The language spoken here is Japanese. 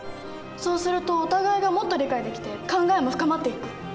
そうするとお互いがもっと理解できて考えも深まっていく。